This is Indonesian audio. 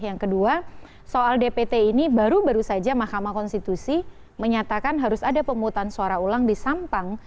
yang kedua soal dpt ini baru baru saja mahkamah konstitusi menyatakan harus ada pemutusan suara ulang di sampang